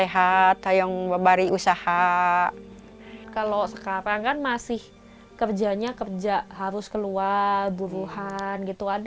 tarhim adalah anak yang sudah lahir karena bertahan melawan rasa sakit